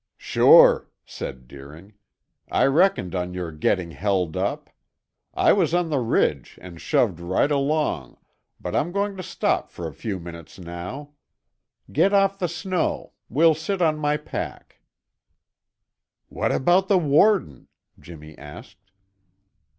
"Sure," said Deering. "I reckoned on your getting held up. I was on the ridge and shoved right along, but I'm going to stop for a few minutes now. Get off the snow; we'll sit on my pack." "What about the warden?" Jimmy asked.